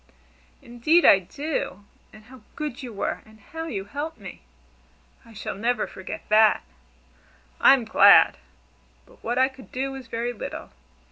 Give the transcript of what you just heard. "Indeed I do! And how good you were, and how you helped me! I shall never forget that." "I'm glad! But what I could do was very little.